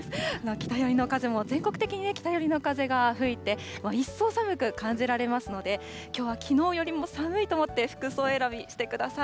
北寄りの風も全国的に北寄りの風が吹いて、一層寒く感じられますので、きょうはきのうよりも寒いと思って服装選びしてください。